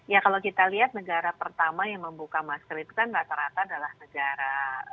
ya kalau kita lihat negara pertama yang membuka masker itu kan rata rata adalah negara